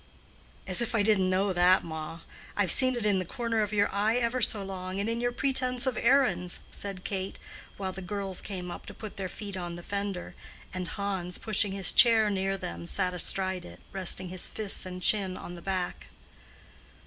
"As if I didn't know that, ma. I have seen it in the corner of your eye ever so long, and in your pretense of errands," said Kate, while the girls came up to put their feet on the fender, and Hans, pushing his chair near them, sat astride it, resting his fists and chin on the back.